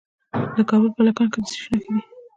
د کابل په کلکان کې د څه شي نښې دي؟